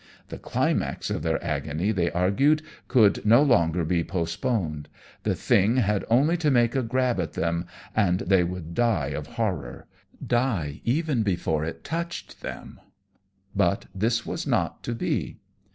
The climax of their agony, they argued, could no longer be postponed. The thing had only to make a grab at them and they would die of horror die even before it touched them. But this was not to be.